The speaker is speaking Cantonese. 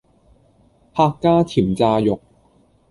客家甜炸肉